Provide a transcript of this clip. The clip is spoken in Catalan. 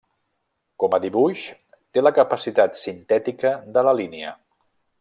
Com a dibuix, té la capacitat sintètica de la línia.